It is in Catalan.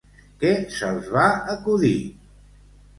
Què se'ls va acudir?